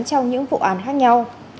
trong những vụ án khác nhau